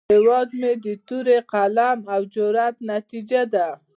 هیواد مې د تورې، قلم، او جرئت نتیجه ده